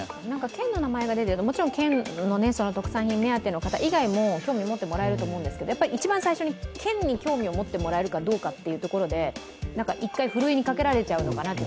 県の名前が出ていると県の特産品以外にも興味持ってもらえると思いますが、一番最初に県に興味を持ってもらえるかというところで一回ふるいにかけられちゃうのかなと。